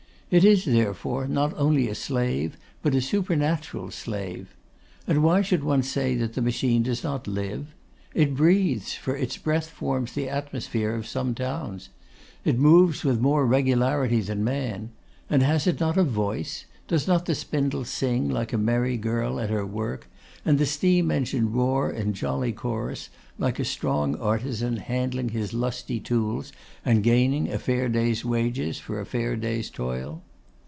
It is, therefore, not only a slave, but a supernatural slave. And why should one say that the machine does not live? It breathes, for its breath forms the atmosphere of some towns. It moves with more regularity than man. And has it not a voice? Does not the spindle sing like a merry girl at her work, and the steam engine roar in jolly chorus, like a strong artisan handling his lusty tools, and gaining a fair day's wages for a fair day's toil?